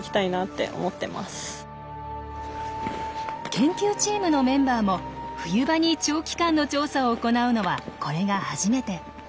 研究チームのメンバーも冬場に長期間の調査を行うのはこれが初めて。